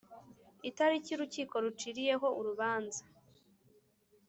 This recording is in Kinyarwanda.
itariki urukiko ruciriyeho urubanza